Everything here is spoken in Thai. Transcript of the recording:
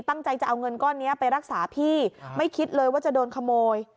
ตั้งใจจะเอาเงินก้อนนี้ไปรักษาพี่ไม่คิดเลยว่าจะโดนขโมย